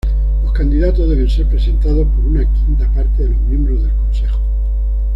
Los candidatos deben ser presentados por una quinta parte de los miembros del Consejo.